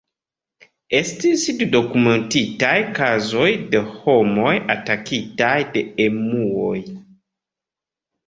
Estis du dokumentitaj kazoj de homoj atakitaj de emuoj.